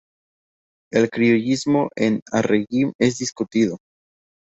El criollismo en Arregui es discutido.